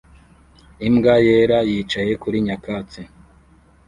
Imbwa yera yicaye kuri nyakatsi